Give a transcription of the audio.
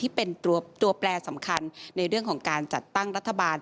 ที่เป็นตัวแปลสำคัญในเรื่องของการจัดตั้งรัฐบาล